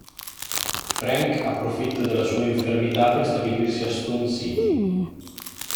Frank approfitta della sua infermità per stabilirsi a Stone City.